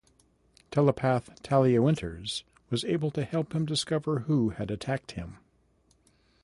Telepath Talia Winters was able to help him discover who had attacked him.